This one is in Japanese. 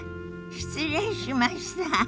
失礼しました。